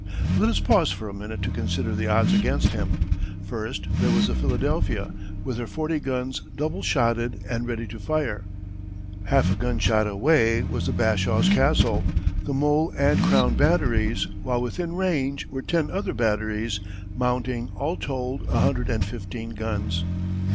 Let us pause for a minute to consider the odds against him. First there was the Philadelphia with her forty guns double shotted and ready to fire; half a gunshot away was the Bashaw's castle, the mole and crown batteries, while within range were ten other batteries, mounting, all told, a hundred and fifteen guns.